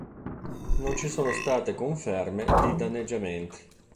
Non ci sono state conferme di danneggiamenti.